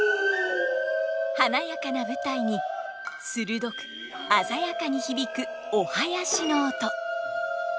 華やかな舞台に鋭く鮮やかに響くお囃子の音。